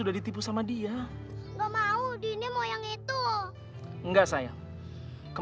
yang tujuannya ayo